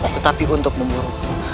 tetapi untuk memburu